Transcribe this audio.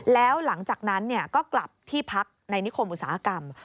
แล้วหลังจากนั้นก็กลับที่พักในนิคมอุตสาหกรรม